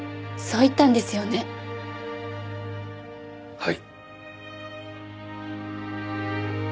はい。